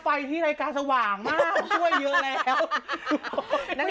ไปที่รายการสว่างมากช่วยเยอะแล้ว